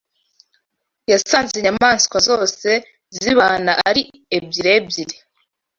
Yasanze inyamaswa zose zibana ari ebyiri ebyiri